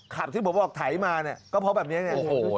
ขับที่ผมออกไถมาก็เพราะแบบนี้ไง